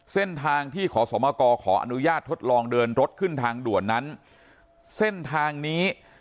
เส้นทางที่ขอสมกรขออนุญาตทดลองเดินรถขึ้นทางด่วนนั้นเส้นทางนี้